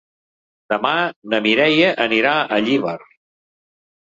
Demà na Mireia anirà a Llíber.